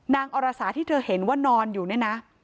นางอรสาที่เธอเห็นว่านอนอยู่นะนะ